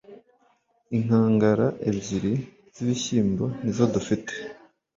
inkangara ebyiri zibishyimbo nizo dufite